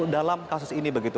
dalam kasus ini begitu